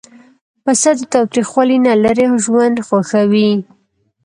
پسه د تاوتریخوالي نه لیرې ژوند خوښوي.